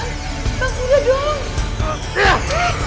nggak cukup bang